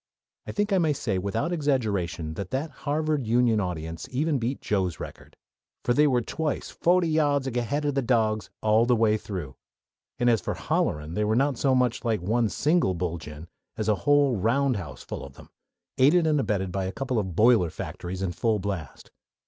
I think I may say without exaggeration that that Harvard Union audience even beat Joe's record; for they were twice "fohty yahds ahead o' de dawgs" all the way through, and as for "hollerin'" they were not so much like one single "bullgine" as like a whole roundhouse full of them, aided and abetted by a couple of boiler factories in full blast.